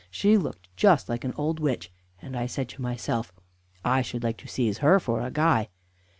She looked just like an old witch, and I said to myself, 'I should like to seize her for a guy.'"